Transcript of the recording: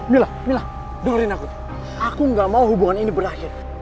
mila mila dengarin aku aku gak mau hubungan ini berakhir